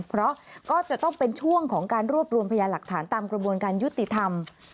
เพราะก็จะต้องเป็นช่วงของการรวบรวมพยานหลักฐานตามกระบวนการยุติธรรม